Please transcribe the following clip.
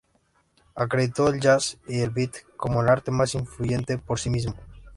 Acreditó al jazz y al beat como el arte más influyente por sí mismo.